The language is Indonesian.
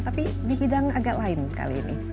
tapi di bidang agak lain kali ini